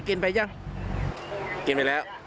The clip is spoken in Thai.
กินไปแล้ว